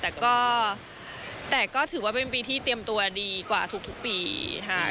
แต่ก็แต่ก็ถือว่าเป็นปีที่เตรียมตัวดีกว่าทุกปีค่ะ